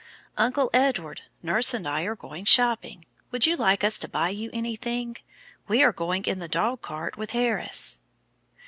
"Uncle Edward, nurse and I are going shopping; would you like us to buy you anything? We are going in the dog cart with Harris."